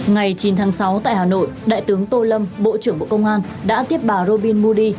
ngày chín tháng sáu tại hà nội đại tướng tô lâm bộ trưởng bộ công an đã tiếp bà robin modi